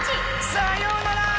さようなら！